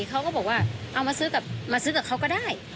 เขาก็บอกว่าเอามาซื้อกับเขาก็ได้